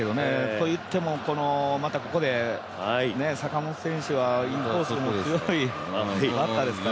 といっても、またここで坂本選手はインコースも強いバッターですから。